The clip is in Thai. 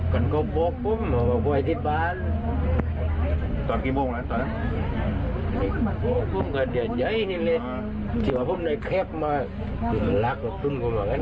รักกับทุนคุณเหมือนกัน